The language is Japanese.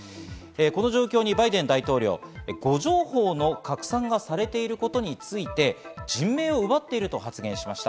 この状況にバイデン大統領、誤情報の拡散がされていることについて人命を奪っていると発言しました。